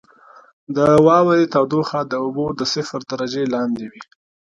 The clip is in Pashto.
• د واورې تودوخه د اوبو د صفر درجې لاندې وي.